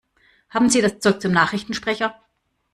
Haben Sie das Zeug zum Nachrichtensprecher?